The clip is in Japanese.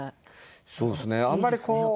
そうですね。